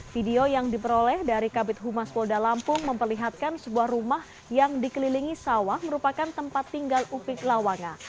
video yang diperoleh dari kabit humas polda lampung memperlihatkan sebuah rumah yang dikelilingi sawah merupakan tempat tinggal upik lawanga